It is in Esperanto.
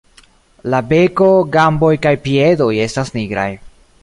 La beko, gamboj kaj piedoj estas nigraj.